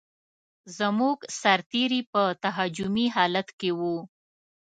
زموږ سرتېري په تهاجمي حالت کې و.